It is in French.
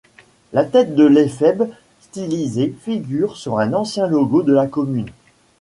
La tête de l'éphèbe stylisée figure sur un ancien logo de la commune.